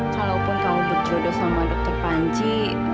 kalaupun kamu berjodoh sama dokter panci